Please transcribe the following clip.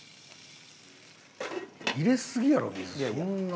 入れすぎやろ水そんな。